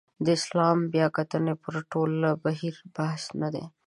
د اسلامي بیاکتنې پر ټول بهیر بحث نه دی.